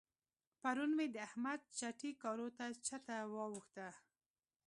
پرون مې د احمد چټي کارو ته چته واوښته.